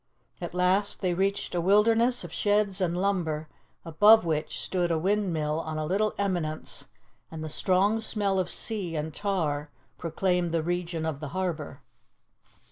At last they reached a wilderness of sheds and lumber, above which stood a windmill on a little eminence, and the strong smell of sea and tar proclaimed the region of the harbour.